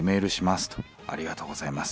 ありがとうございます。